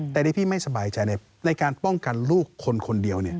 แต่ที่พี่ไม่สบายใจในการป้องกันลูกคนคนเดียว